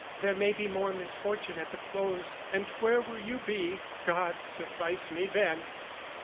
"There may be more misfortune at the close, "And where will you be? God suffice me then!"